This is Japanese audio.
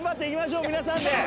皆さんで。